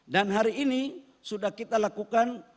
dan hari ini sudah kita lakukan